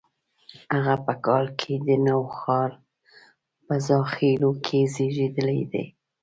هغه په کال کې د نوښار په زاخیلو کې زیږېدلي دي.